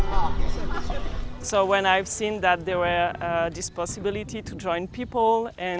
jadi ketika saya melihat kemungkinan untuk bergabung dengan orang orang